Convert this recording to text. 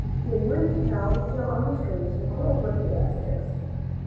They went out on the streets and quarreled with the Aztecs.